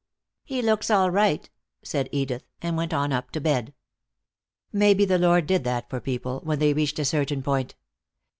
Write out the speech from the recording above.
"He looks all right," said Edith, and went on up to bed. Maybe the Lord did that for people, when they reached a certain point.